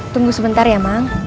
tunggu sebentar ya mak